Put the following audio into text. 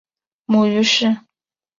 母于氏。